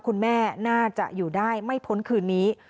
คุณแม่น่าจะอยู่ได้ไม่พ้นคืนนี้